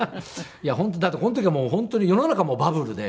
いやだってこの時は本当に世の中もバブルで。